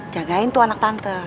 jagain tuh anak tante